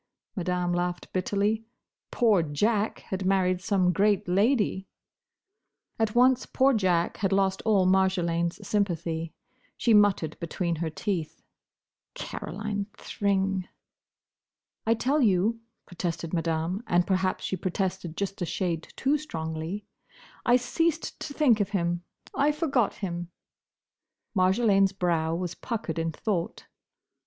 Madame laughed bitterly. "Poor Jack had married some great lady!" At once poor Jack had lost all Marjolaine's sympathy. She muttered between her teeth, "Caroline Thring." "I tell you," protested Madame—and perhaps she protested just a shade too strongly—"I ceased to think of him. I forgot him." Marjolaine's brow was puckered in thought.